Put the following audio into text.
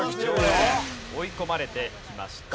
追い込まれてきました。